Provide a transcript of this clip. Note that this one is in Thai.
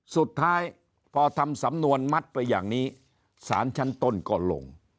สุดท้ายพอทำสำนวนมัดไปอย่างนี้สารชั้นต้นก็ลง